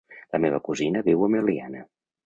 La meva cosina viu a Meliana.